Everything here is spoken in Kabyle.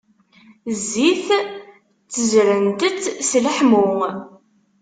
Zzit ttezzrent-t s leḥmu.